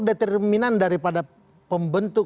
determinan daripada pembentuk